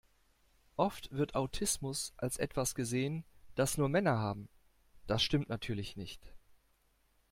Oft wird Autismus als etwas gesehen, das nur Männer haben. Das stimmt natürlich nicht.